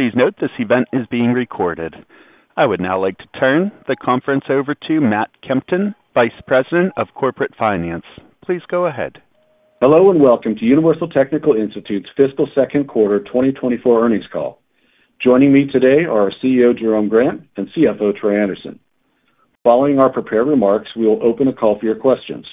Please note this event is being recorded. I would now like to turn the conference over to Matt Kempton, Vice President of Corporate Finance. Please go ahead. Hello and welcome to Universal Technical Institute's fiscal second quarter 2024 earnings call. Joining me today are our CEO Jerome Grant and CFO Troy Anderson. Following our prepared remarks, we will open a call for your questions.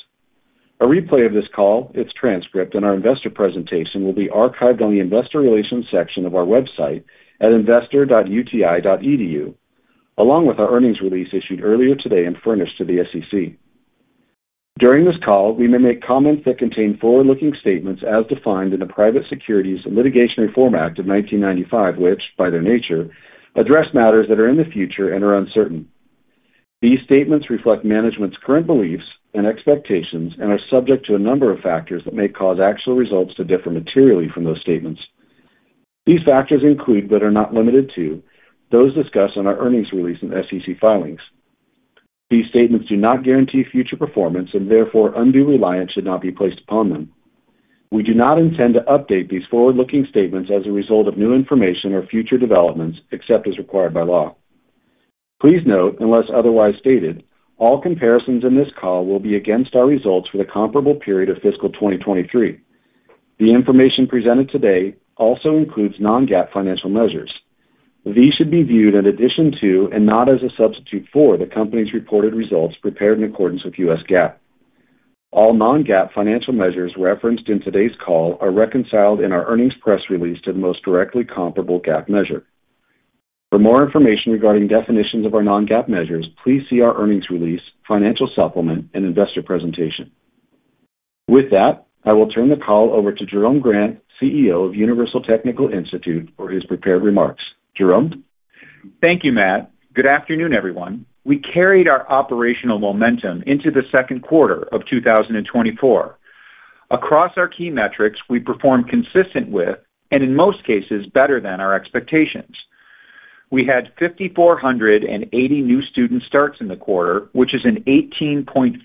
A replay of this call, its transcript, and our investor presentation will be archived on the investor relations section of our website at investor.uti.edu, along with our earnings release issued earlier today and furnished to the SEC. During this call, we may make comments that contain forward-looking statements as defined in the Private Securities Litigation Reform Act of 1995, which, by their nature, address matters that are in the future and are uncertain. These statements reflect management's current beliefs and expectations and are subject to a number of factors that may cause actual results to differ materially from those statements. These factors include, but are not limited to, those discussed on our earnings release and SEC filings. These statements do not guarantee future performance and, therefore, undue reliance should not be placed upon them. We do not intend to update these forward-looking statements as a result of new information or future developments, except as required by law. Please note, unless otherwise stated, all comparisons in this call will be against our results for the comparable period of fiscal 2023. The information presented today also includes non-GAAP financial measures. These should be viewed in addition to and not as a substitute for the company's reported results prepared in accordance with U.S. GAAP. All non-GAAP financial measures referenced in today's call are reconciled in our earnings press release to the most directly comparable GAAP measure. For more information regarding definitions of our non-GAAP measures, please see our earnings release, financial supplement, and investor presentation. With that, I will turn the call over to Jerome Grant, CEO of Universal Technical Institute, for his prepared remarks. Jerome? Thank you, Matt. Good afternoon, everyone. We carried our operational momentum into the second quarter of 2024. Across our key metrics, we performed consistent with and, in most cases, better than our expectations. We had 5,480 new student starts in the quarter, which is an 18.5%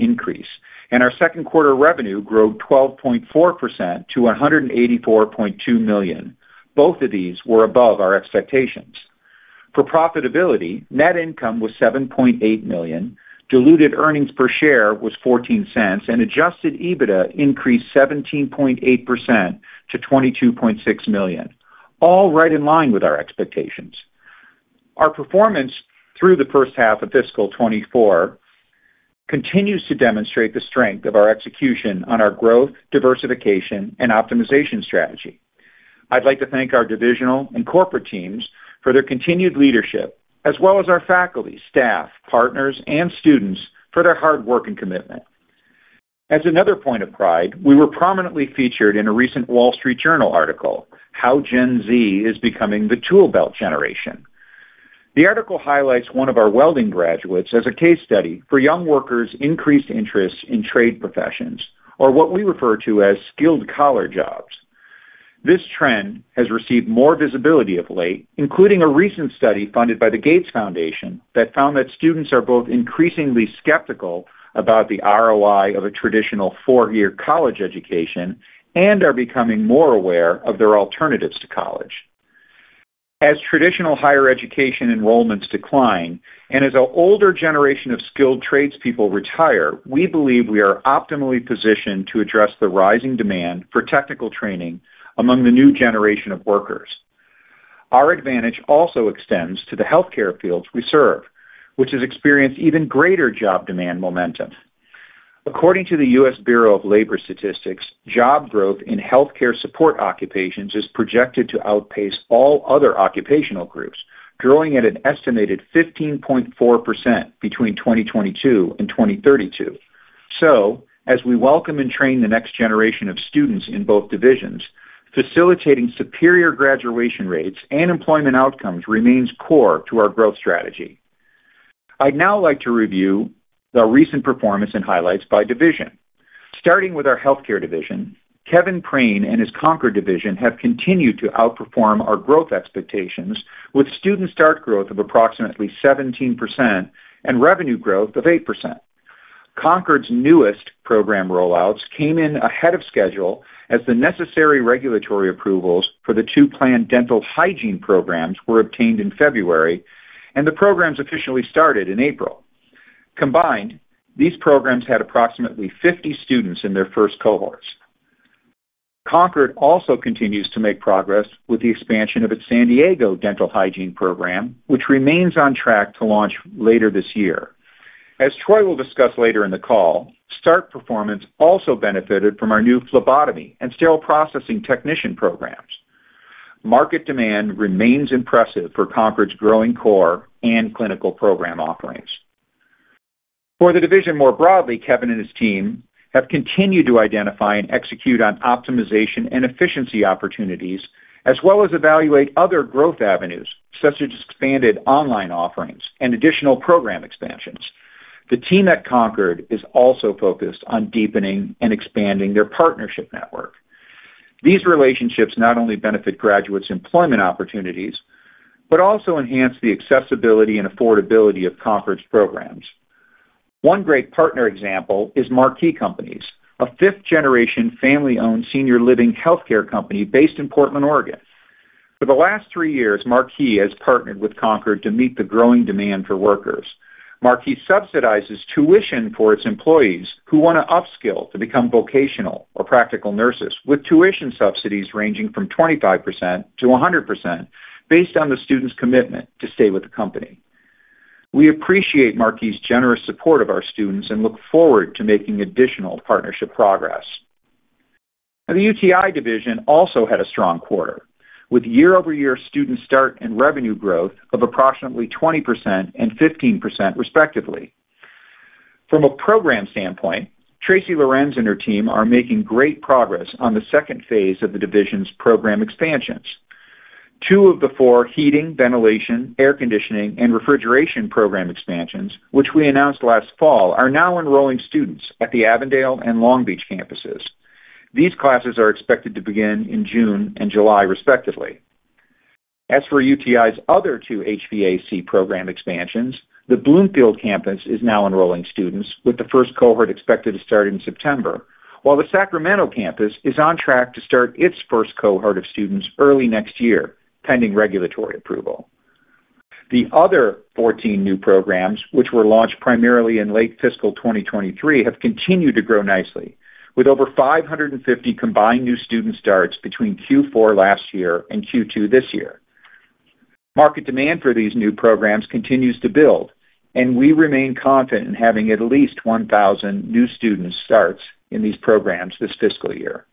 increase, and our second quarter revenue grew 12.4% to $184.2 million. Both of these were above our expectations. For profitability, net income was $7.8 million, diluted earnings per share was $0.14, and adjusted EBITDA increased 17.8% to $22.6 million, all right in line with our expectations. Our performance through the first half of fiscal 2024 continues to demonstrate the strength of our execution on our growth, diversification, and optimization strategy. I'd like to thank our divisional and corporate teams for their continued leadership, as well as our faculty, staff, partners, and students for their hard work and commitment. As another point of pride, we were prominently featured in a recent Wall Street Journal article, "How Gen Z Is Becoming the Toolbelt Generation." The article highlights one of our welding graduates as a case study for young workers' increased interest in trade professions, or what we refer to as skilled-collar jobs. This trend has received more visibility of late, including a recent study funded by the Gates Foundation that found that students are both increasingly skeptical about the ROI of a traditional four-year college education and are becoming more aware of their alternatives to college. As traditional higher education enrollments decline and as an older generation of skilled tradespeople retire, we believe we are optimally positioned to address the rising demand for technical training among the new generation of workers. Our advantage also extends to the healthcare fields we serve, which has experienced even greater job demand momentum. According to the US Bureau of Labor Statistics, job growth in healthcare support occupations is projected to outpace all other occupational groups, drawing at an estimated 15.4% between 2022 and 2032. As we welcome and train the next generation of students in both divisions, facilitating superior graduation rates and employment outcomes remains core to our growth strategy. I'd now like to review the recent performance and highlights by division. Starting with our healthcare division, Kevin Prehn and his Concorde division have continued to outperform our growth expectations, with student start growth of approximately 17% and revenue growth of 8%. Concorde's newest program rollouts came in ahead of schedule as the necessary regulatory approvals for the two planned dental hygiene programs were obtained in February, and the programs officially started in April. Combined, these programs had approximately 50 students in their first cohorts. Concorde also continues to make progress with the expansion of its San Diego dental hygiene program, which remains on track to launch later this year. As Troy will discuss later in the call, strong performance also benefited from our new phlebotomy and sterile processing technician programs. Market demand remains impressive for Concorde's growing core and clinical program offerings. For the division more broadly, Kevin and his team have continued to identify and execute on optimization and efficiency opportunities, as well as evaluate other growth avenues such as expanded online offerings and additional program expansions. The team at Concorde is also focused on deepening and expanding their partnership network. These relationships not only benefit graduates' employment opportunities but also enhance the accessibility and affordability of Concorde's programs. One great partner example is Marquis Companies, a fifth-generation family-owned senior living healthcare company based in Portland, Oregon. For the last three years, Marquis has partnered with Concorde to meet the growing demand for workers. Marquis subsidizes tuition for its employees who want to upskill to become vocational or practical nurses, with tuition subsidies ranging from 25% to 100% based on the student's commitment to stay with the company. We appreciate Marquis' generous support of our students and look forward to making additional partnership progress. The UTI division also had a strong quarter, with year-over-year student start and revenue growth of approximately 20% and 15%, respectively. From a program standpoint, Tracy Lorenz and her team are making great progress on the second phase of the division's program expansions. Two of the four heating, ventilation, air conditioning, and refrigeration program expansions, which we announced last fall, are now enrolling students at the Avondale and Long Beach campuses. These classes are expected to begin in June and July, respectively. As for UTI's other two HVAC program expansions, the Bloomfield campus is now enrolling students, with the first cohort expected to start in September, while the Sacramento campus is on track to start its first cohort of students early next year, pending regulatory approval. The other 14 new programs, which were launched primarily in late fiscal 2023, have continued to grow nicely, with over 550 combined new student starts between Q4 last year and Q2 this year. Market demand for these new programs continues to build, and we remain confident in having at least 1,000 new student starts in these programs this fiscal year.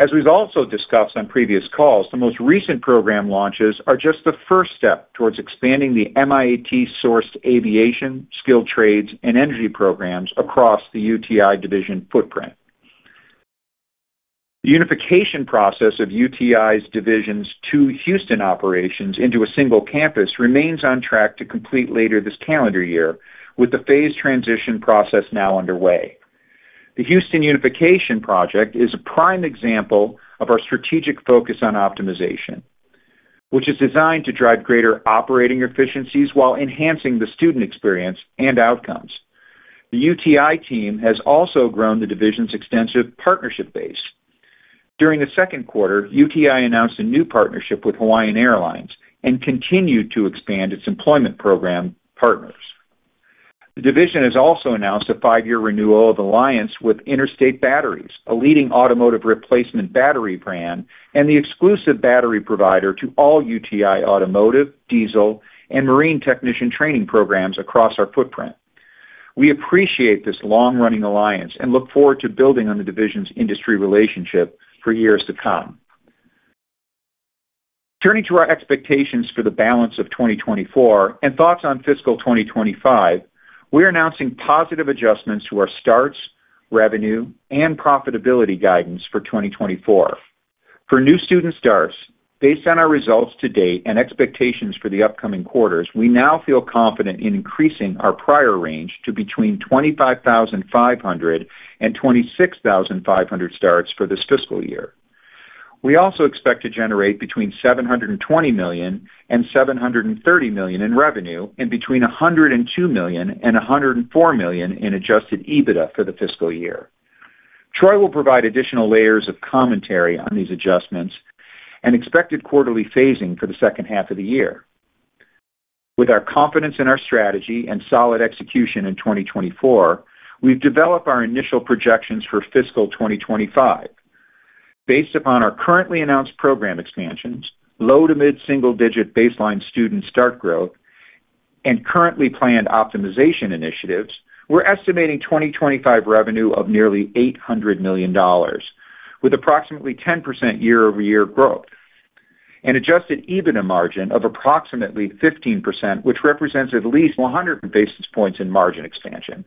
As we've also discussed on previous calls, the most recent program launches are just the first step towards expanding the MIAT-sourced aviation, skilled trades, and energy programs across the UTI division footprint. The unification process of UTI's division's two Houston operations into a single campus remains on track to complete later this calendar year, with the phased transition process now underway. The Houston unification project is a prime example of our strategic focus on optimization, which is designed to drive greater operating efficiencies while enhancing the student experience and outcomes. The UTI team has also grown the division's extensive partnership base. During the second quarter, UTI announced a new partnership with Hawaiian Airlines and continued to expand its employment program partners. The division has also announced a five-year renewal of alliance with Interstate Batteries, a leading automotive replacement battery brand and the exclusive battery provider to all UTI automotive, diesel, and marine technician training programs across our footprint. We appreciate this long-running alliance and look forward to building on the division's industry relationship for years to come. Turning to our expectations for the balance of 2024 and thoughts on fiscal 2025, we're announcing positive adjustments to our starts, revenue, and profitability guidance for 2024. For new student starts, based on our results to date and expectations for the upcoming quarters, we now feel confident in increasing our prior range to between 25,500 and 26,500 starts for this fiscal year. We also expect to generate between $720 million-$730 million in revenue and between $102 million-$104 million in adjusted EBITDA for the fiscal year. Troy will provide additional layers of commentary on these adjustments and expected quarterly phasing for the second half of the year. With our confidence in our strategy and solid execution in 2024, we've developed our initial projections for fiscal 2025. Based upon our currently announced program expansions, low to mid-single-digit baseline student start growth, and currently planned optimization initiatives, we're estimating 2025 revenue of nearly $800 million, with approximately 10% year-over-year growth and Adjusted EBITDA margin of approximately 15%, which represents at least 100 basis points in margin expansion.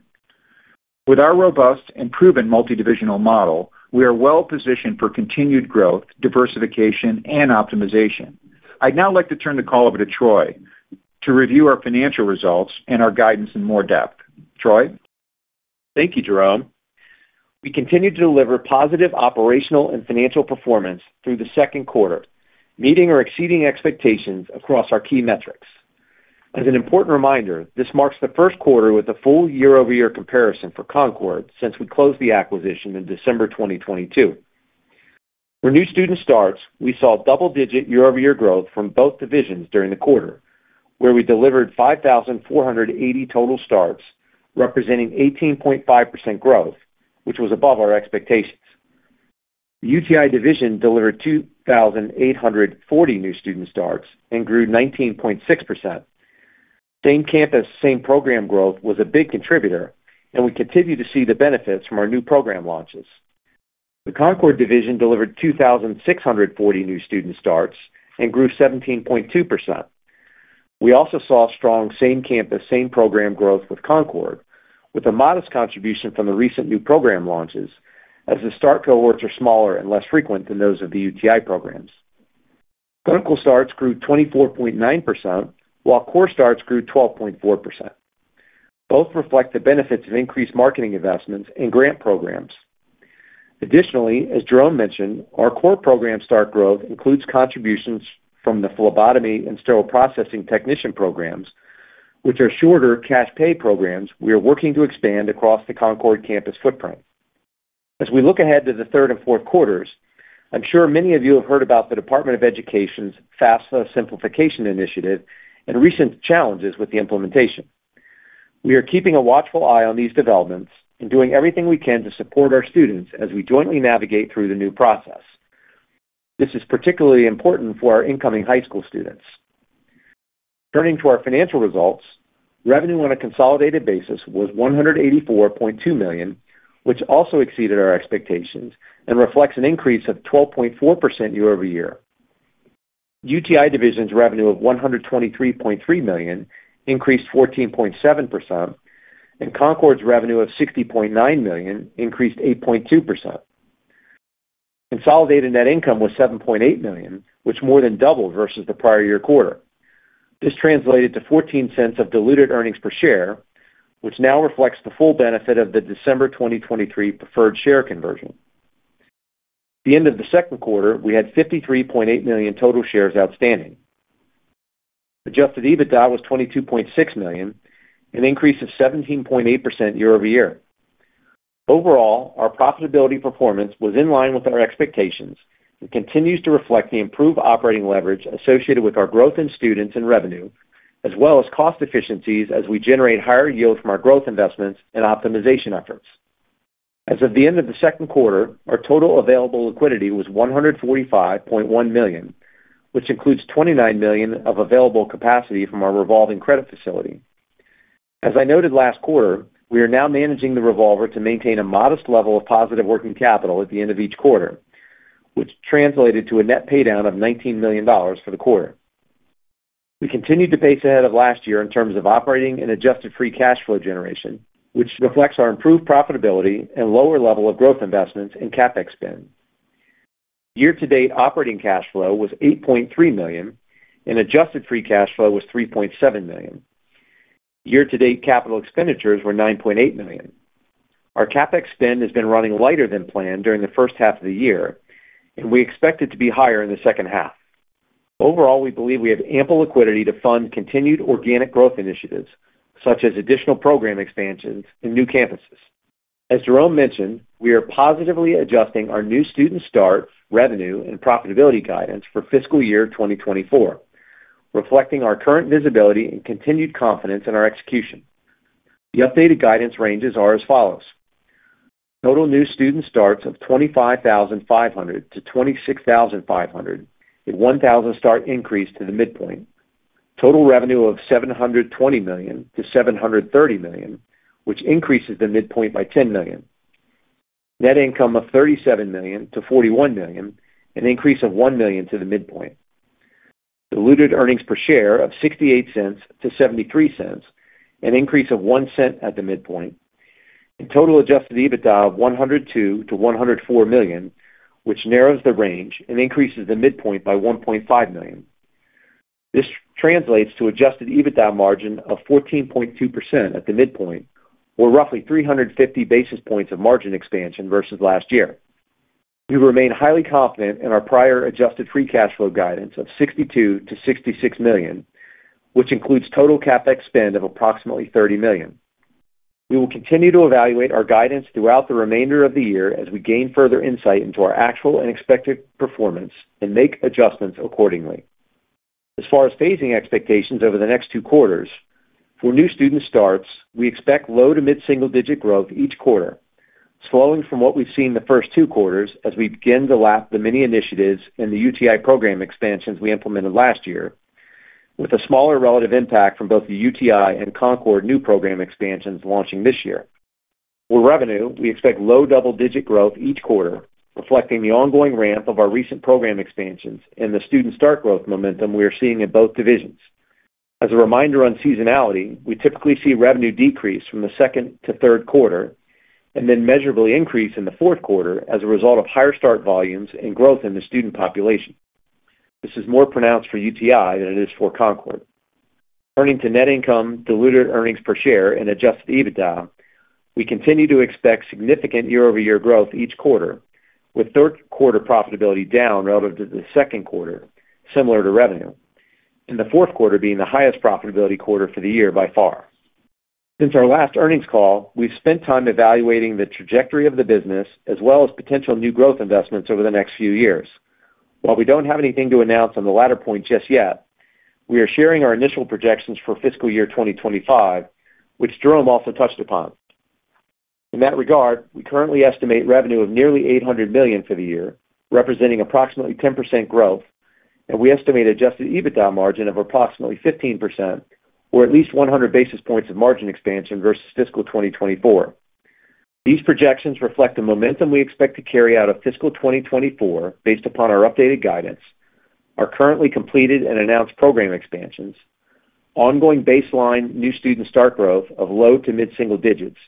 With our robust and proven multi-divisional model, we are well-positioned for continued growth, diversification, and optimization. I'd now like to turn the call over to Troy to review our financial results and our guidance in more depth. Troy? Thank you, Jerome. We continue to deliver positive operational and financial performance through the second quarter, meeting or exceeding expectations across our key metrics. As an important reminder, this marks the first quarter with a full year-over-year comparison for Concorde since we closed the acquisition in December 2022. For new student starts, we saw double-digit year-over-year growth from both divisions during the quarter, where we delivered 5,480 total starts, representing 18.5% growth, which was above our expectations. The UTI division delivered 2,840 new student starts and grew 19.6%. Same campus, same program growth was a big contributor, and we continue to see the benefits from our new program launches. The Concorde division delivered 2,640 new student starts and grew 17.2%. We also saw strong same-campus, same-program growth with Concorde, with a modest contribution from the recent new program launches as the start cohorts are smaller and less frequent than those of the UTI programs. Clinical starts grew 24.9%, while core starts grew 12.4%. Both reflect the benefits of increased marketing investments and grant programs. Additionally, as Jerome mentioned, our core program start growth includes contributions from the phlebotomy and sterile processing technician programs, which are shorter cash-pay programs we are working to expand across the Concorde campus footprint. As we look ahead to the third and fourth quarters, I'm sure many of you have heard about the Department of Education's FAFSA simplification initiative and recent challenges with the implementation. We are keeping a watchful eye on these developments and doing everything we can to support our students as we jointly navigate through the new process. This is particularly important for our incoming high school students. Turning to our financial results, revenue on a consolidated basis was $184.2 million, which also exceeded our expectations and reflects an increase of 12.4% year-over-year. UTI division's revenue of $123.3 million increased 14.7%, and Concorde's revenue of $60.9 million increased 8.2%. Consolidated net income was $7.8 million, which more than doubled versus the prior year quarter. This translated to $0.14 of diluted earnings per share, which now reflects the full benefit of the December 2023 preferred share conversion. At the end of the second quarter, we had 53.8 million total shares outstanding. Adjusted EBITDA was $22.6 million, an increase of 17.8% year-over-year. Overall, our profitability performance was in line with our expectations and continues to reflect the improved operating leverage associated with our growth in students and revenue, as well as cost efficiencies as we generate higher yield from our growth investments and optimization efforts. As of the end of the second quarter, our total available liquidity was $145.1 million, which includes $29 million of available capacity from our revolving credit facility. As I noted last quarter, we are now managing the revolver to maintain a modest level of positive working capital at the end of each quarter, which translated to a net paydown of $19 million for the quarter. We continue to pace ahead of last year in terms of operating and Adjusted Free Cash Flow generation, which reflects our improved profitability and lower level of growth investments and CapEx spend. Year-to-date, operating cash flow was $8.3 million, and adjusted free cash flow was $3.7 million. Year-to-date, capital expenditures were $9.8 million. Our CapEx spend has been running lighter than planned during the first half of the year, and we expect it to be higher in the second half. Overall, we believe we have ample liquidity to fund continued organic growth initiatives such as additional program expansions and new campuses. As Jerome mentioned, we are positively adjusting our new student start revenue and profitability guidance for fiscal year 2024, reflecting our current visibility and continued confidence in our execution. The updated guidance ranges are as follows: total new student starts of 25,500-26,500, a 1,000-start increase to the midpoint; total revenue of $720 million-$730 million, which increases the midpoint by $10 million; net income of $37 million-$41 million, an increase of $1 million to the midpoint; diluted earnings per share of $0.68-$0.73, an increase of $0.01 at the midpoint; and total adjusted EBITDA of $102 million-$104 million, which narrows the range and increases the midpoint by $1.5 million. This translates to adjusted EBITDA margin of 14.2% at the midpoint, or roughly 350 basis points of margin expansion versus last year. We remain highly confident in our prior adjusted free cash flow guidance of $62 million-$66 million, which includes total CapEx spend of approximately $30 million. We will continue to evaluate our guidance throughout the remainder of the year as we gain further insight into our actual and expected performance and make adjustments accordingly. As far as phasing expectations over the next two quarters, for new student starts, we expect low to mid-single-digit growth each quarter, slowing from what we've seen the first two quarters as we begin to lap the many initiatives and the UTI program expansions we implemented last year, with a smaller relative impact from both the UTI and Concorde new program expansions launching this year. For revenue, we expect low double-digit growth each quarter, reflecting the ongoing ramp of our recent program expansions and the student start growth momentum we are seeing in both divisions. As a reminder on seasonality, we typically see revenue decrease from the second to third quarter and then measurably increase in the fourth quarter as a result of higher start volumes and growth in the student population. This is more pronounced for UTI than it is for Concorde. Turning to Net Income, Diluted Earnings Per Share, and Adjusted EBITDA, we continue to expect significant year-over-year growth each quarter, with third-quarter profitability down relative to the second quarter, similar to revenue, and the fourth quarter being the highest profitability quarter for the year by far. Since our last earnings call, we've spent time evaluating the trajectory of the business as well as potential new growth investments over the next few years. While we don't have anything to announce on the latter point just yet, we are sharing our initial projections for fiscal year 2025, which Jerome also touched upon. In that regard, we currently estimate revenue of nearly $800 million for the year, representing approximately 10% growth, and we estimate Adjusted EBITDA margin of approximately 15%, or at least 100 basis points of margin expansion versus fiscal 2024. These projections reflect the momentum we expect to carry out of fiscal 2024 based upon our updated guidance, our currently completed and announced program expansions, ongoing baseline new student start growth of low- to mid-single digits,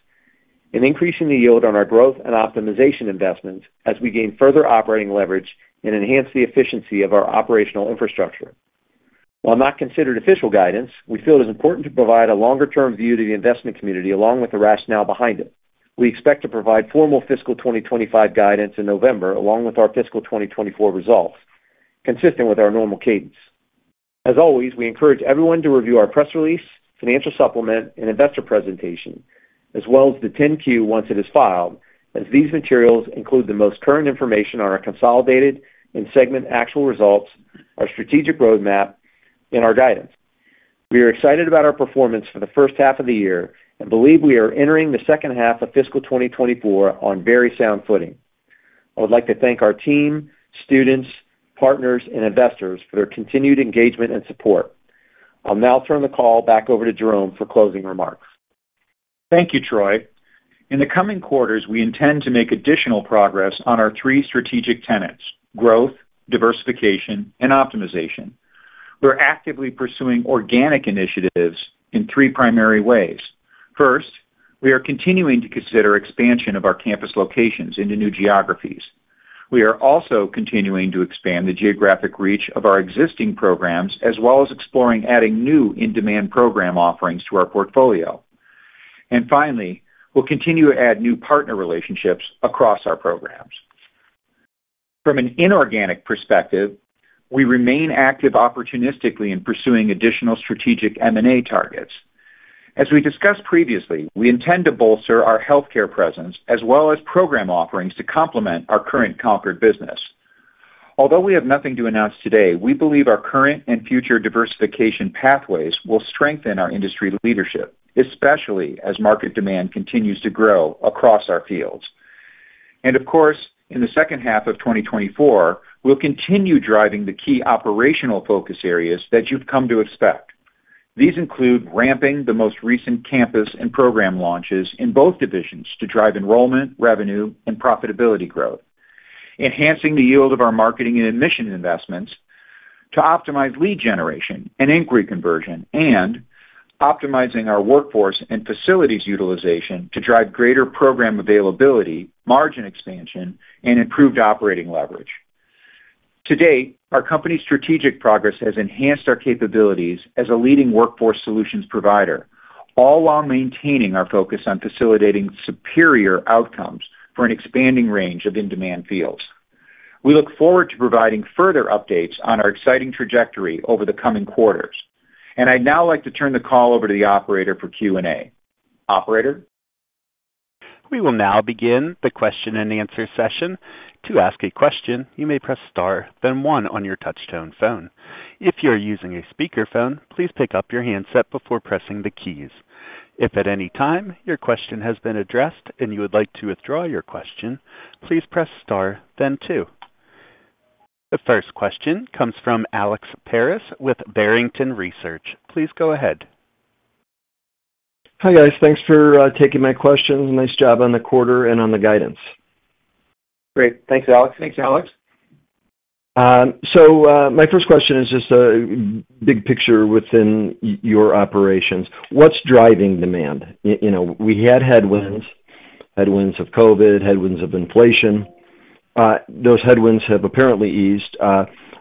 and increasing the yield on our growth and optimization investments as we gain further operating leverage and enhance the efficiency of our operational infrastructure. While not considered official guidance, we feel it is important to provide a longer-term view to the investment community along with the rationale behind it. We expect to provide formal fiscal 2025 guidance in November along with our fiscal 2024 results, consistent with our normal cadence. As always, we encourage everyone to review our press release, financial supplement, and investor presentation, as well as the 10-Q once it is filed, as these materials include the most current information on our consolidated and segment actual results, our strategic roadmap, and our guidance. We are excited about our performance for the first half of the year and believe we are entering the second half of fiscal 2024 on very sound footing. I would like to thank our team, students, partners, and investors for their continued engagement and support. I'll now turn the call back over to Jerome for closing remarks. Thank you, Troy. In the coming quarters, we intend to make additional progress on our three strategic tenets: growth, diversification, and optimization. We're actively pursuing organic initiatives in three primary ways. First, we are continuing to consider expansion of our campus locations into new geographies. We are also continuing to expand the geographic reach of our existing programs as well as exploring adding new in-demand program offerings to our portfolio. And finally, we'll continue to add new partner relationships across our programs. From an inorganic perspective, we remain active opportunistically in pursuing additional strategic M&A targets. As we discussed previously, we intend to bolster our healthcare presence as well as program offerings to complement our current Concordee business. Although we have nothing to announce today, we believe our current and future diversification pathways will strengthen our industry leadership, especially as market demand continues to grow across our fields. Of course, in the second half of 2024, we'll continue driving the key operational focus areas that you've come to expect. These include ramping the most recent campus and program launches in both divisions to drive enrollment, revenue, and profitability growth, enhancing the yield of our marketing and admission investments to optimize lead generation and inquiry conversion, and optimizing our workforce and facilities utilization to drive greater program availability, margin expansion, and improved operating leverage. To date, our company's strategic progress has enhanced our capabilities as a leading workforce solutions provider, all while maintaining our focus on facilitating superior outcomes for an expanding range of in-demand fields. We look forward to providing further updates on our exciting trajectory over the coming quarters. I'd now like to turn the call over to the operator for Q&A. Operator? We will now begin the question-and-answer session. To ask a question, you may press star, then one on your touch-tone phone. If you are using a speakerphone, please pick up your handset before pressing the keys. If at any time your question has been addressed and you would like to withdraw your question, please press star, then two. The first question comes from Alex Paris with Barrington Research. Please go ahead. Hi guys. Thanks for taking my questions. Nice job on the quarter and on the guidance. Great. Thanks, Alex. Thanks, Alex. So my first question is just a big picture within your operations. What's driving demand? We had headwinds, headwinds of COVID, headwinds of inflation. Those headwinds have apparently eased.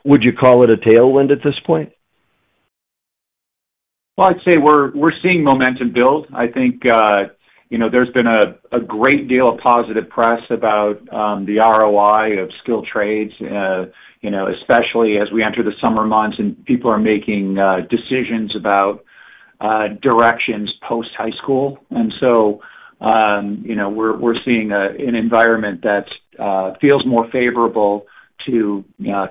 Would you call it a tailwind at this point? Well, I'd say we're seeing momentum build. I think there's been a great deal of positive press about the ROI of skilled trades, especially as we enter the summer months and people are making decisions about directions post-high school. And so we're seeing an environment that feels more favorable to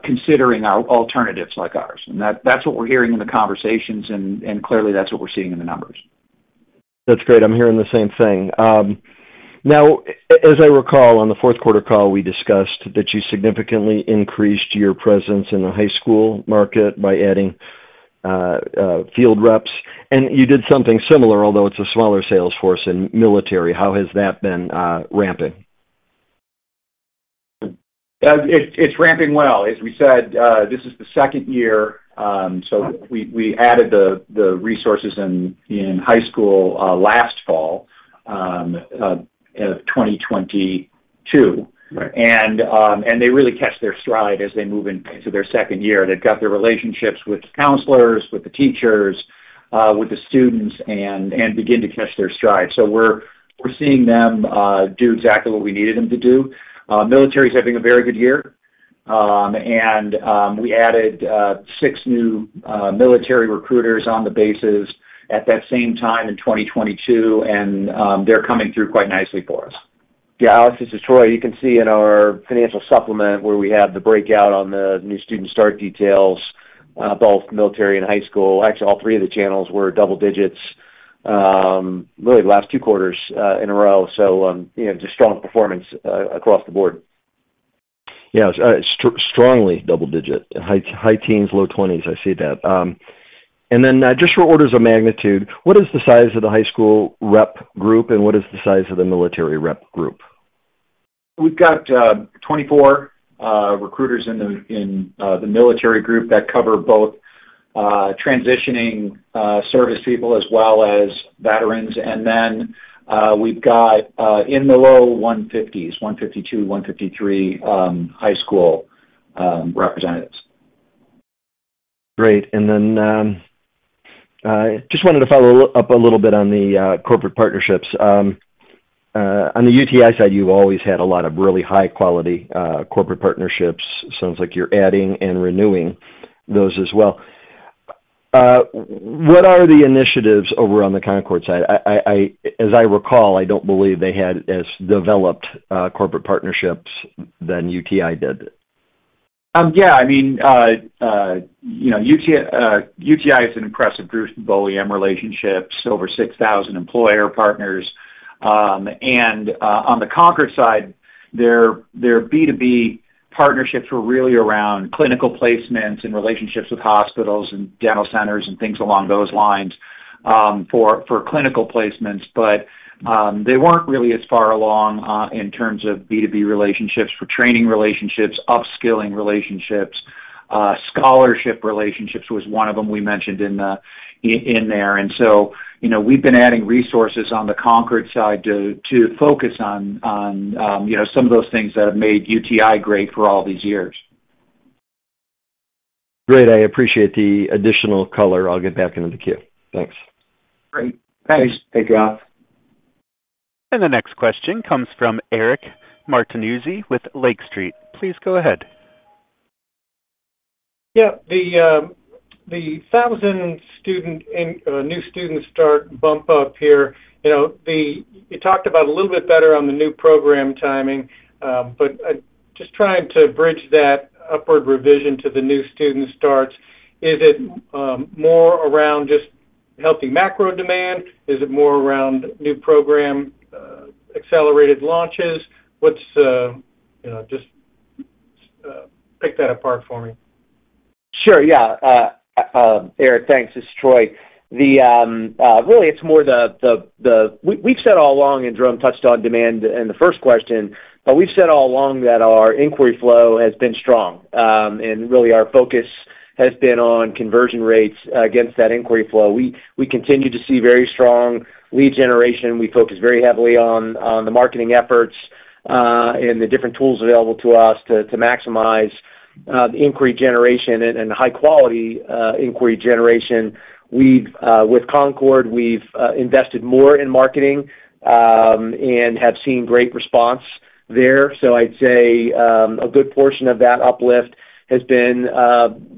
considering alternatives like ours. And that's what we're hearing in the conversations, and clearly, that's what we're seeing in the numbers. That's great. I'm hearing the same thing. Now, as I recall, on the fourth-quarter call, we discussed that you significantly increased your presence in the high school market by adding field reps. You did something similar, although it's a smaller sales force in military. How has that been ramping? It's ramping well. As we said, this is the second year, so we added the resources in high school last fall of 2022. They really catch their stride as they move into their second year. They've got their relationships with counselors, with the teachers, with the students, and begin to catch their stride. So we're seeing them do exactly what we needed them to do. Military is having a very good year. We added six new military recruiters on the bases at that same time in 2022, and they're coming through quite nicely for us. Yeah, Alex, this is Troy. You can see in our financial supplement where we have the breakout on the new student start details, both military and high school. Actually, all three of the channels were double digits, really the last two quarters in a row. So just strong performance across the board. Yeah, strongly double digit. High teens, low 20s. I see that. And then just for orders of magnitude, what is the size of the high school rep group, and what is the size of the military rep group? We've got 24 recruiters in the military group that cover both transitioning service people as well as veterans. And then we've got in the low 150s, 152, 153 high school representatives. Great. And then just wanted to follow up a little bit on the corporate partnerships. On the UTI side, you've always had a lot of really high-quality corporate partnerships. Sounds like you're adding and renewing those as well. What are the initiatives over on the Concorde side? As I recall, I don't believe they had as developed corporate partnerships than UTI did. Yeah. I mean, UTI is an impressive group. B2B relationships, over 6,000 employer partners. And on the Concorde side, their B2B partnerships were really around clinical placements and relationships with hospitals and dental centers and things along those lines for clinical placements. But they weren't really as far along in terms of B2B relationships for training relationships, upskilling relationships. Scholarship relationships was one of them we mentioned in there. And so we've been adding resources on the Concorde side to focus on some of those things that have made UTI great for all these years. Great. I appreciate the additional color. I'll get back into the queue. Thanks. Great. Thanks. Thanks. Take care, Alex. The next question comes from Eric Martinuzzi with Lake Street. Please go ahead. Yeah. The 1,000 new student start bump up here, you talked about a little bit better on the new program timing, but just trying to bridge that upward revision to the new student starts. Is it more around just healthy macro demand? Is it more around new program accelerated launches? Just pick that apart for me. Sure. Yeah. Eric, thanks. This is Troy. Really, it's more that we've said all along, and Jerome touched on demand in the first question, but we've said all along that our inquiry flow has been strong. And really, our focus has been on conversion rates against that inquiry flow. We continue to see very strong lead generation. We focus very heavily on the marketing efforts and the different tools available to us to maximize inquiry generation and high-quality inquiry generation. With Concorde, we've invested more in marketing and have seen great response there. So I'd say a good portion of that uplift has been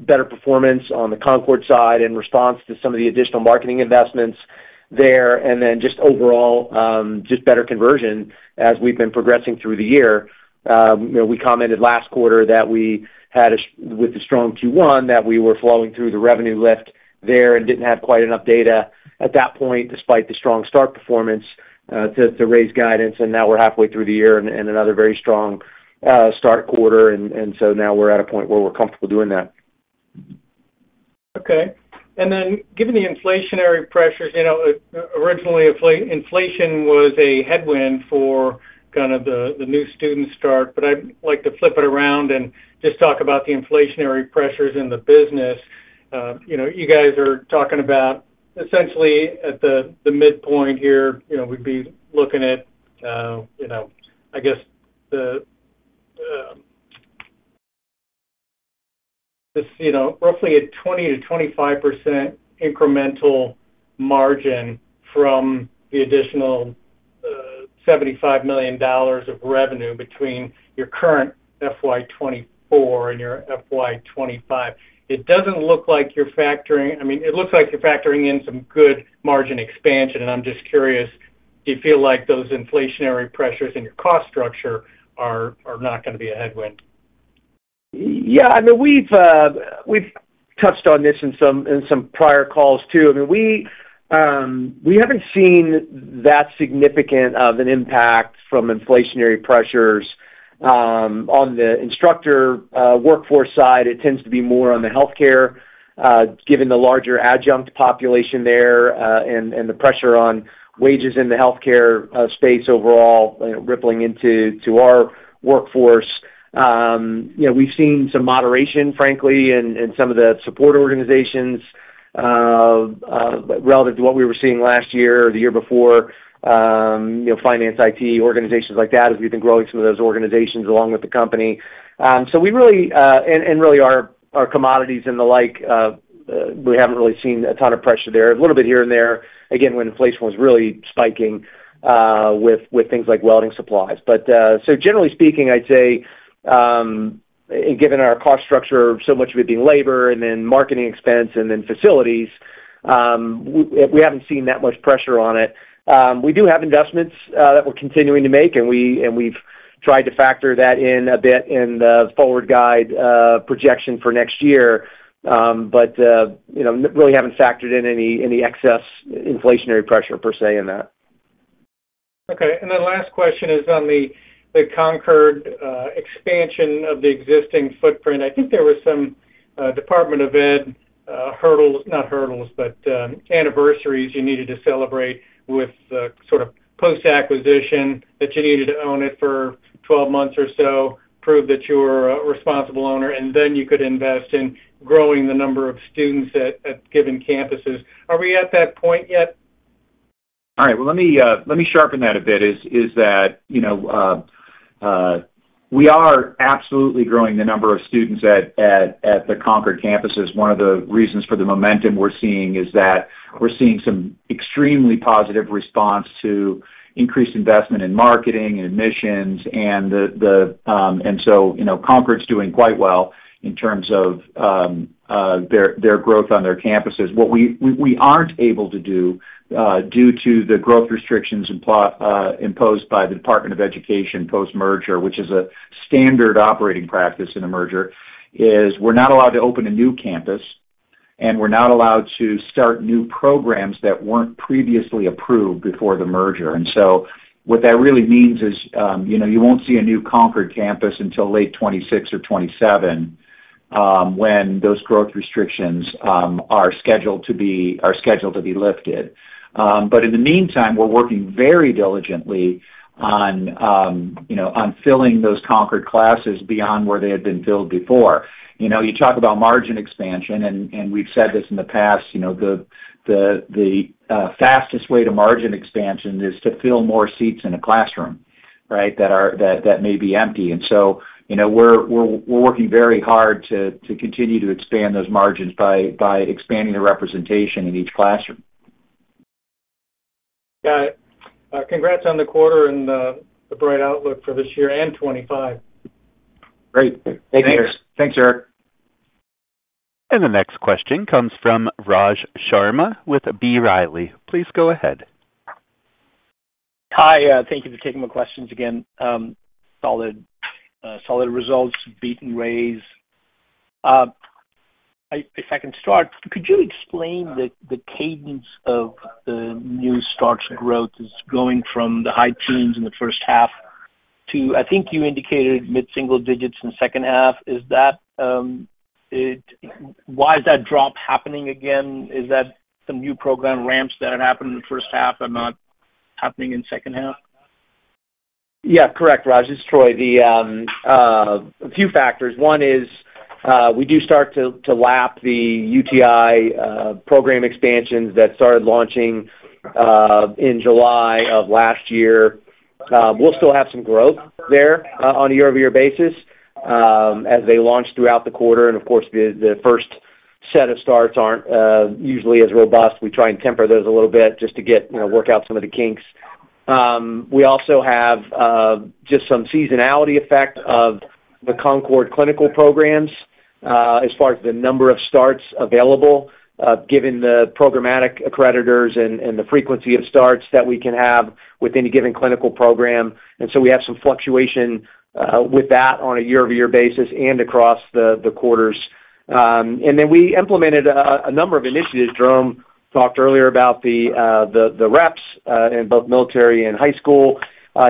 better performance on the Concorde side and response to some of the additional marketing investments there. And then just overall, just better conversion as we've been progressing through the year. We commented last quarter that with the strong Q1 that we were flowing through the revenue lift there and didn't have quite enough data at that point despite the strong start performance to raise guidance. And now we're halfway through the year and another very strong start quarter. And so now we're at a point where we're comfortable doing that. Okay. And then given the inflationary pressures, originally, inflation was a headwind for kind of the new student start. But I'd like to flip it around and just talk about the inflationary pressures in the business. You guys are talking about essentially at the midpoint here, we'd be looking at, I guess, roughly a 20%-25% incremental margin from the additional $75 million of revenue between your current FY24 and your FY25. It doesn't look like you're factoring, I mean, it looks like you're factoring in some good margin expansion. And I'm just curious, do you feel like those inflationary pressures in your cost structure are not going to be a headwind? Yeah. I mean, we've touched on this in some prior calls too. I mean, we haven't seen that significant of an impact from inflationary pressures on the instructor workforce side. It tends to be more on the healthcare given the larger adjunct population there and the pressure on wages in the healthcare space overall rippling into our workforce. We've seen some moderation, frankly, in some of the support organizations relative to what we were seeing last year or the year before, finance, IT, organizations like that as we've been growing some of those organizations along with the company. Really, our commodities and the like, we haven't really seen a ton of pressure there, a little bit here and there, again, when inflation was really spiking with things like welding supplies. So generally speaking, I'd say given our cost structure, so much of it being labor and then marketing expense and then facilities, we haven't seen that much pressure on it. We do have investments that we're continuing to make, and we've tried to factor that in a bit in the forward guide projection for next year, but really haven't factored in any excess inflationary pressure per se in that. Okay. And then last question is on the Concorde expansion of the existing footprint. I think there were some Department of Ed hurdles not hurdles, but anniversaries you needed to celebrate with sort of post-acquisition that you needed to own it for 12 months or so, prove that you were a responsible owner, and then you could invest in growing the number of students at given campuses. Are we at that point yet? All right. Well, let me sharpen that a bit. Is that we are absolutely growing the number of students at the Concordee campuses. One of the reasons for the momentum we're seeing is that we're seeing some extremely positive response to increased investment in marketing and admissions. And so Concordee's doing quite well in terms of their growth on their campuses. What we aren't able to do due to the growth restrictions imposed by the Department of Education post-merger, which is a standard operating practice in a merger, is we're not allowed to open a new campus, and we're not allowed to start new programs that weren't previously approved before the merger. And so what that really means is you won't see a new Concordee campus until late 2026 or 2027 when those growth restrictions are scheduled to be lifted. In the meantime, we're working very diligently on filling those Concordee classes beyond where they had been filled before. You talk about margin expansion, and we've said this in the past, the fastest way to margin expansion is to fill more seats in a classroom, right, that may be empty. And so we're working very hard to continue to expand those margins by expanding the representation in each classroom. Got it. Congrats on the quarter and the bright outlook for this year and 2025. Great. Thank you, Eric. Thanks, Eric. The next question comes from Raj Sharma with B. Riley. Please go ahead. Hi. Thank you for taking my questions again. Solid results, beating estimates. If I can start, could you explain the cadence of the new starts growth? It's going from the high teens in the first half to I think you indicated mid-single digits in second half. Why is that drop happening again? Is that some new program ramps that had happened in the first half and not happening in second half? Yeah, correct. Raj, this is Troy. A few factors. One is we do start to lap the UTI program expansions that started launching in July of last year. We'll still have some growth there on a year-over-year basis as they launch throughout the quarter. And of course, the first set of starts aren't usually as robust. We try and temper those a little bit just to work out some of the kinks. We also have just some seasonality effect of the Concorde clinical programs as far as the number of starts available given the programmatic accreditors and the frequency of starts that we can have with any given clinical program. And so we have some fluctuation with that on a year-over-year basis and across the quarters. And then we implemented a number of initiatives. Jerome talked earlier about the reps in both military and high school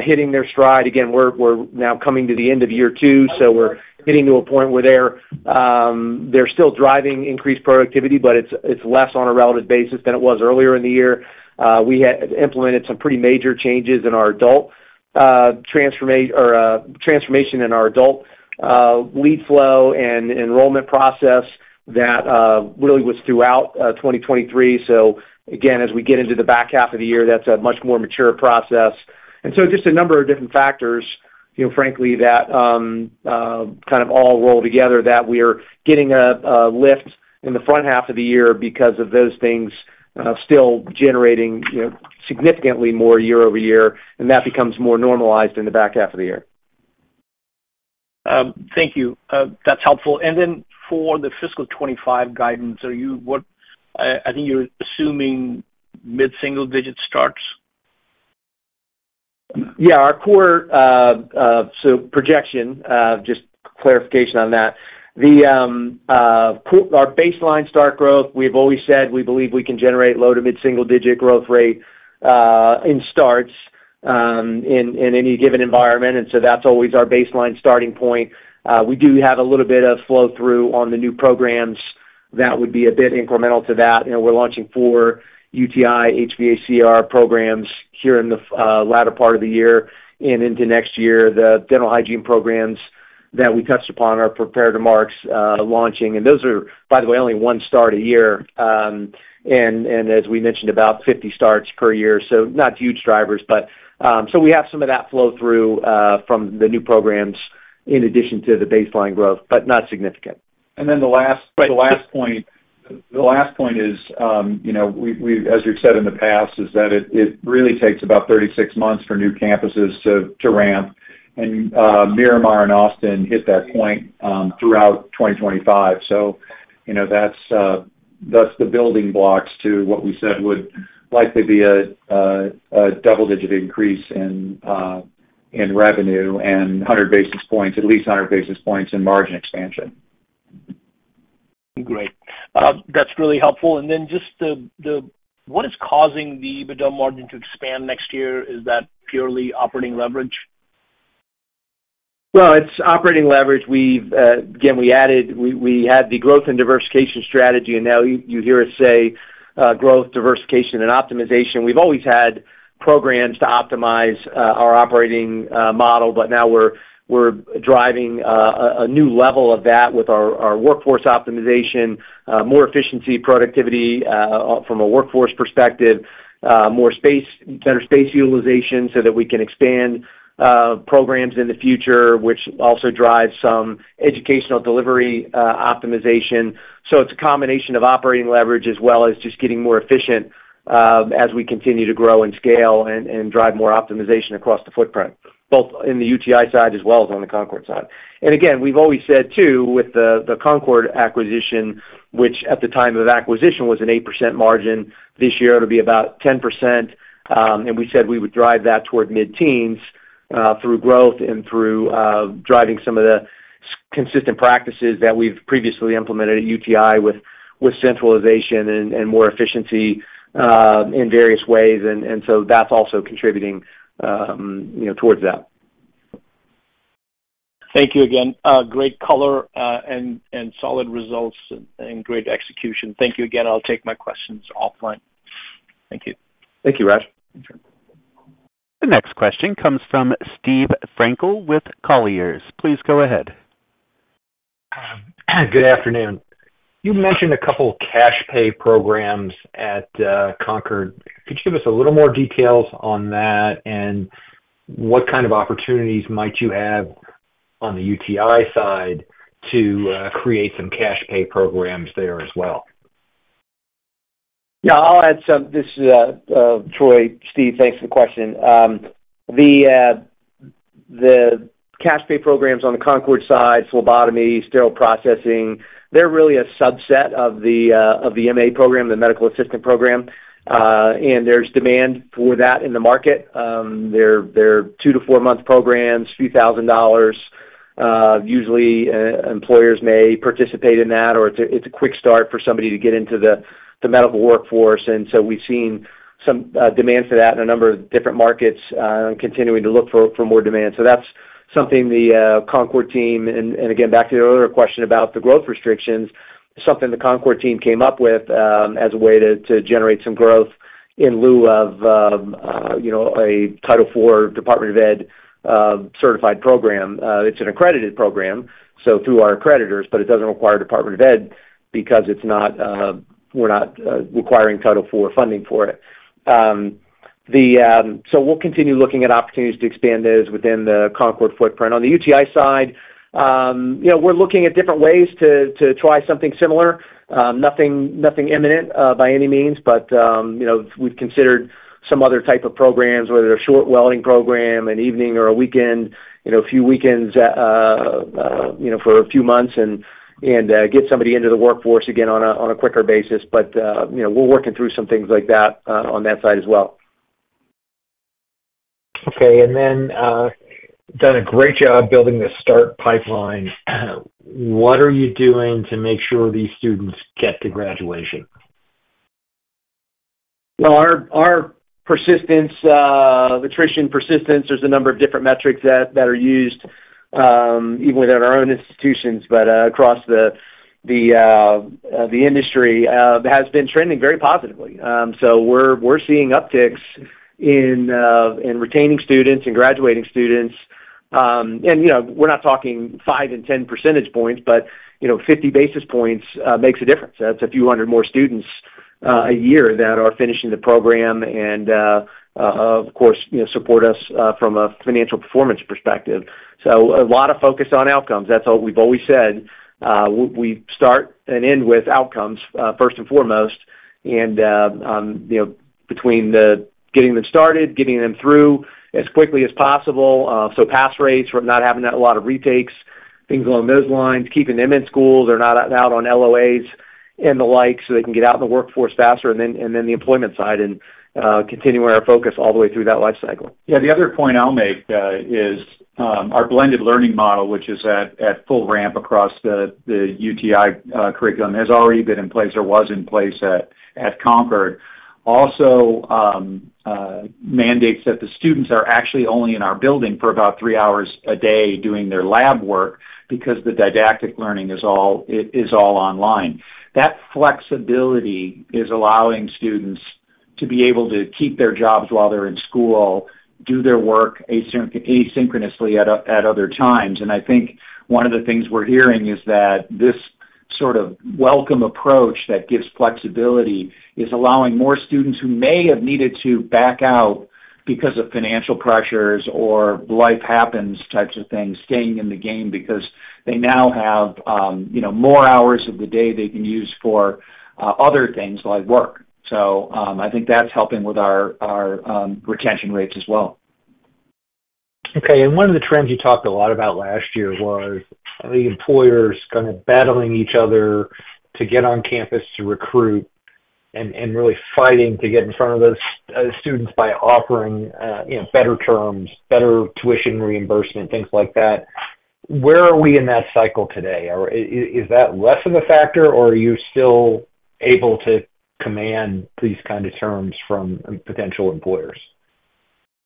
hitting their stride. Again, we're now coming to the end of year two, so we're getting to a point where they're still driving increased productivity, but it's less on a relative basis than it was earlier in the year. We had implemented some pretty major changes in our adult transformation in our adult lead flow and enrollment process that really was throughout 2023. So again, as we get into the back half of the year, that's a much more mature process. And so just a number of different factors, frankly, that kind of all roll together that we are getting a lift in the front half of the year because of those things still generating significantly more year-over-year. And that becomes more normalized in the back half of the year. Thank you. That's helpful. And then for the fiscal 2025 guidance, I think you're assuming mid-single digit starts? Yeah. So projection, just clarification on that. Our baseline start growth, we've always said we believe we can generate low- to mid-single-digit growth rate in starts in any given environment. And so that's always our baseline starting point. We do have a little bit of flow-through on the new programs. That would be a bit incremental to that. We're launching 4 UTI HVACR programs here in the latter part of the year and into next year. The dental hygiene programs that we touched upon are pre-market's launching. And those are, by the way, only one start a year. And as we mentioned, about 50 starts per year. So not huge drivers. So we have some of that flow-through from the new programs in addition to the baseline growth, but not significant. And then the last point is, as you've said in the past, is that it really takes about 36 months for new campuses to ramp. Miramar and Austin hit that point throughout 2025. So that's the building blocks to what we said would likely be a double-digit increase in revenue and 100 basis points, at least 100 basis points, in margin expansion. Great. That's really helpful. And then just what is causing the bottom margin to expand next year? Is that purely operating leverage? Well, it's operating leverage. Again, we had the growth and diversification strategy, and now you hear us say growth, diversification, and optimization. We've always had programs to optimize our operating model, but now we're driving a new level of that with our workforce optimization, more efficiency, productivity from a workforce perspective, better space utilization so that we can expand programs in the future, which also drives some educational delivery optimization. So it's a combination of operating leverage as well as just getting more efficient as we continue to grow and scale and drive more optimization across the footprint, both in the UTI side as well as on the Concorde side. And again, we've always said too with the Concorde acquisition, which at the time of acquisition was an 8% margin, this year it'll be about 10%. And we said we would drive that toward mid-teens through growth and through driving some of the consistent practices that we've previously implemented at UTI with centralization and more efficiency in various ways. And so that's also contributing towards that. Thank you again. Great color and solid results and great execution. Thank you again. I'll take my questions offline. Thank you. Thank you, Raj. The next question comes from Steve Frankel with Colliers. Please go ahead. Good afternoon. You mentioned a couple of cash pay programs at Concordee. Could you give us a little more details on that and what kind of opportunities might you have on the UTI side to create some cash pay programs there as well? Yeah. I'll add some. This is Troy. Steve, thanks for the question. The cash pay programs on the Concorde side, phlebotomy, sterile processing, they're really a subset of the MA program, the medical assistant program. And there's demand for that in the market. They're two- to four-month programs, a few thousand dollars. Usually, employers may participate in that, or it's a quick start for somebody to get into the medical workforce. And so we've seen some demand for that in a number of different markets and continuing to look for more demand. So that's something the Concorde team and again, back to your earlier question about the growth restrictions, something the Concorde team came up with as a way to generate some growth in lieu of a Title IV Department of Ed certified program. It's an accredited program, so through our accreditors, but it doesn't require Department of Ed because we're not requiring Title IV funding for it. So we'll continue looking at opportunities to expand those within the Concorde footprint. On the UTI side, we're looking at different ways to try something similar. Nothing imminent by any means, but we've considered some other type of programs, whether they're a short welding program, an evening or a weekend, a few weekends for a few months, and get somebody into the workforce again on a quicker basis. But we're working through some things like that on that side as well. Okay. And you've done a great job building the strong pipeline. What are you doing to make sure these students get to graduation? Well, our proven persistence, there's a number of different metrics that are used even within our own institutions, but across the industry, has been trending very positively. So we're seeing upticks in retaining students and graduating students. And we're not talking 5 and 10 percentage points, but 50 basis points makes a difference. That's a few hundred more students a year that are finishing the program and, of course, support us from a financial performance perspective. So a lot of focus on outcomes. That's what we've always said. We start and end with outcomes first and foremost. And between getting them started, getting them through as quickly as possible, so pass rates, not having that a lot of retakes, things along those lines, keeping them in school. They're not out on LOAs and the like so they can get out in the workforce faster, and then the employment side, and continuing our focus all the way through that lifecycle. Yeah. The other point I'll make is our blended learning model, which is at full ramp across the UTI curriculum, has already been in place or was in place at Concorde. Also, mandates that the students are actually only in our building for about three hours a day doing their lab work because the didactic learning is all online. That flexibility is allowing students to be able to keep their jobs while they're in school, do their work asynchronously at other times. And I think one of the things we're hearing is that this sort of welcome approach that gives flexibility is allowing more students who may have needed to back out because of financial pressures or life happens types of things staying in the game because they now have more hours of the day they can use for other things like work. So I think that's helping with our retention rates as well. Okay. And one of the trends you talked a lot about last year was the employers kind of battling each other to get on campus to recruit and really fighting to get in front of those students by offering better terms, better tuition reimbursement, things like that. Where are we in that cycle today? Is that less of a factor, or are you still able to command these kinds of terms from potential employers?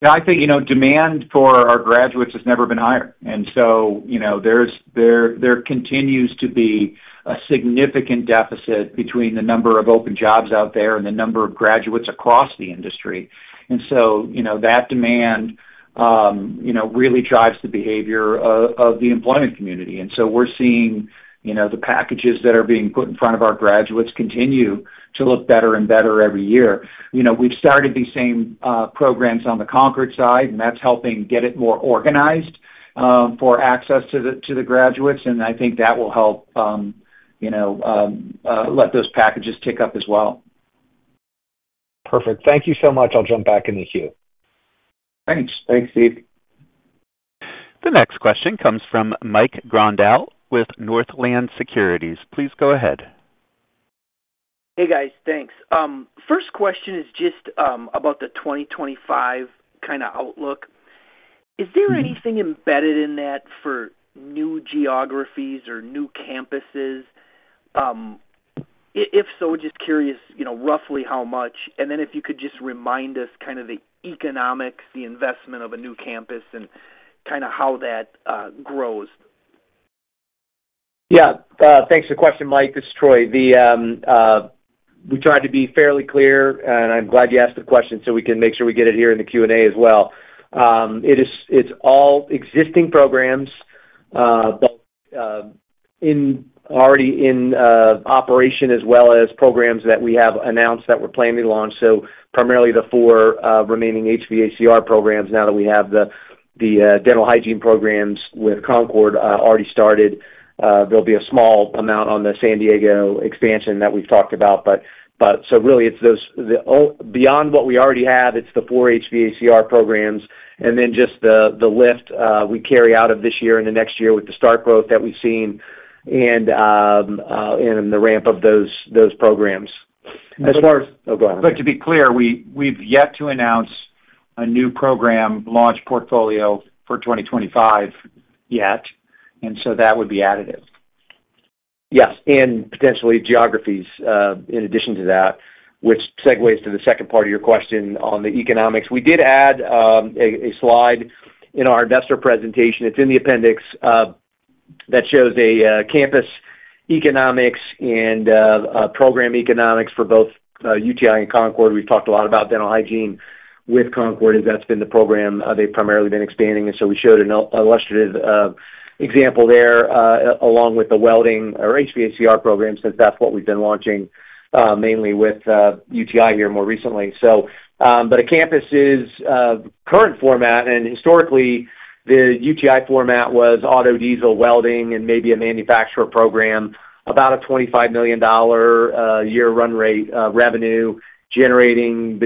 Yeah. I think demand for our graduates has never been higher. And so there continues to be a significant deficit between the number of open jobs out there and the number of graduates across the industry. And so that demand really drives the behavior of the employment community. And so we're seeing the packages that are being put in front of our graduates continue to look better and better every year. We've started these same programs on the Concordee side, and that's helping get it more organized for access to the graduates. And I think that will help let those packages tick up as well. Perfect. Thank you so much. I'll jump back in the queue. Thanks. Thanks, Steve. The next question comes from Mike Grondahl with Northland Securities. Please go ahead. Hey, guys. Thanks. First question is just about the 2025 kind of outlook. Is there anything embedded in that for new geographies or new campuses? If so, just curious roughly how much. And then if you could just remind us kind of the economics, the investment of a new campus, and kind of how that grows. Yeah. Thanks for the question, Mike. This is Troy. We tried to be fairly clear, and I'm glad you asked the question so we can make sure we get it here in the Q&A as well. It's all existing programs, both already in operation as well as programs that we have announced that we're planning to launch. So primarily the four remaining HVACR programs now that we have the dental hygiene programs with Concorde already started. There'll be a small amount on the San Diego expansion that we've talked about. So really, it's beyond what we already have. It's the four HVACR programs and then just the lift we carry out of this year and the next year with the start growth that we've seen and in the ramp of those programs. As far as. And then. Oh, go ahead. To be clear, we've yet to announce a new program launch portfolio for 2025 yet. So that would be additive. Yes. And potentially geographies in addition to that, which segues to the second part of your question on the economics. We did add a slide in our investor presentation. It's in the appendix that shows campus economics and program economics for both UTI and Concorde. We've talked a lot about dental hygiene with Concorde as that's been the program they've primarily been expanding. And so we showed an illustrative example there along with the welding or HVACR program since that's what we've been launching mainly with UTI here more recently. But a campus's current format and historically, the UTI format was auto-diesel welding and maybe a manufacturer program, about a $25 million a year run rate revenue generating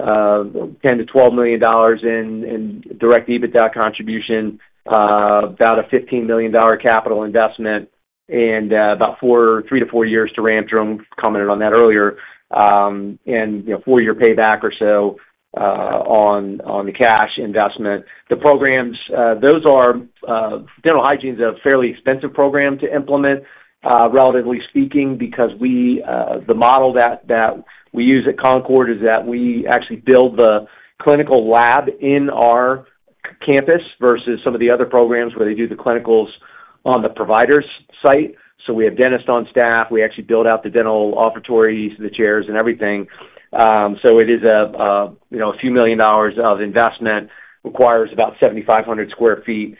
$10-12 million in direct EBITDA contribution, about a $15 million capital investment, and about 3-4 years to ramp. Jerome commented on that earlier, and four-year payback or so on the cash investment. Dental Hygiene is a fairly expensive program to implement, relatively speaking, because the model that we use at Concorde is that we actually build the clinical lab in our campus versus some of the other programs where they do the clinicals on the provider's site. So we have dentists on staff. We actually build out the dental operatories, the chairs, and everything. So it is a few million dollars of investment. Requires about 7,500 sq ft.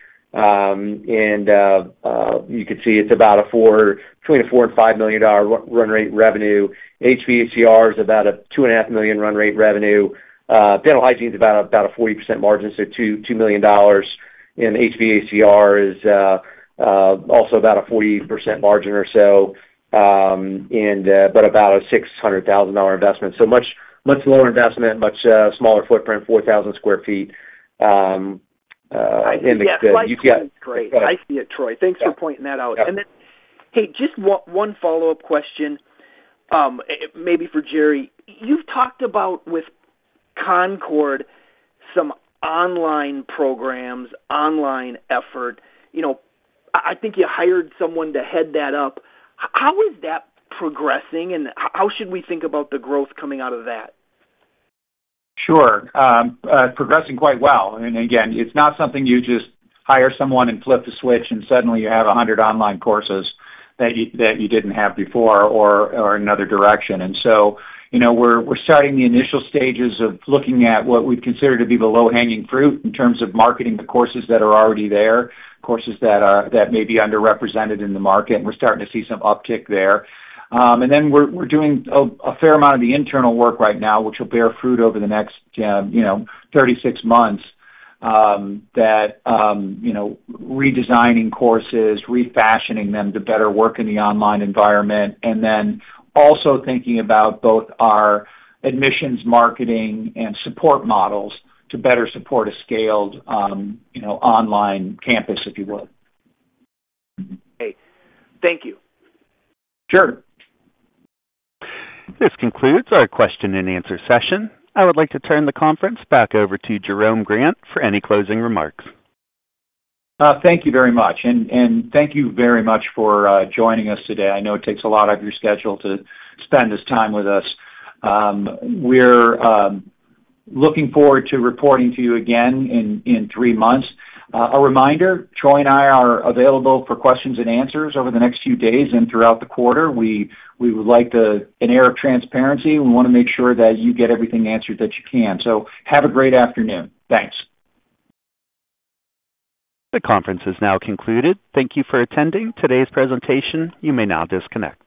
And you could see it's about between $4 million and $5 million run rate revenue. HVACR is about a $2.5 million run rate revenue. Dental Hygiene is about a 40% margin, so $2 million. And HVACR is also about a 40% margin or so, but about a $600,000 investment. So much lower investment, much smaller footprint, 4,000 sq ft. I see it. Yes. Yes. That's great. I see it, Troy. Thanks for pointing that out. And then, hey, just one follow-up question, maybe for Jerome. You've talked about with Concorde some online programs, online effort. I think you hired someone to head that up. How is that progressing, and how should we think about the growth coming out of that? Sure. Progressing quite well. And again, it's not something you just hire someone and flip the switch, and suddenly you have 100 online courses that you didn't have before or in another direction. And so we're starting the initial stages of looking at what we'd consider to be the low-hanging fruit in terms of marketing the courses that are already there, courses that may be underrepresented in the market. And we're starting to see some uptick there. And then we're doing a fair amount of the internal work right now, which will bear fruit over the next 36 months, that redesigning courses, refashioning them to better work in the online environment, and then also thinking about both our admissions marketing and support models to better support a scaled online campus, if you will. Okay. Thank you. Sure. This concludes our question-and-answer session. I would like to turn the conference back over to Jerome Grant for any closing remarks. Thank you very much. Thank you very much for joining us today. I know it takes a lot of your schedule to spend this time with us. We're looking forward to reporting to you again in three months. A reminder, Troy and I are available for questions and answers over the next few days and throughout the quarter. We would like an era of transparency. We want to make sure that you get everything answered that you can. Have a great afternoon. Thanks. The conference is now concluded. Thank you for attending today's presentation. You may now disconnect.